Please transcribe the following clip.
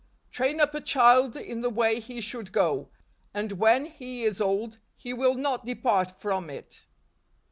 " Train up a child in the way he should go: and when he is old , he will not depart from it.